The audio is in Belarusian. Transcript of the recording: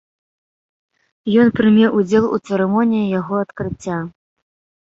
Ён прыме ўдзел у цырымоніі яго адкрыцця.